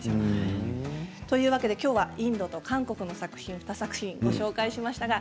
今日はインドと韓国の作品２作品ご紹介しました。